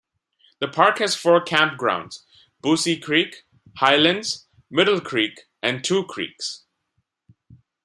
The park has four campgrounds: Boosey Creek, Highlands, Middle Creek and Two Creeks.